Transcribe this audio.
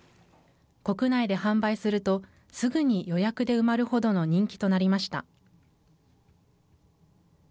国内で販売すると、すぐに予約で埋まるほどの人気となりました。